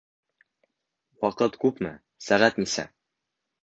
Ваҡыт күпме? Сәғәт нисә?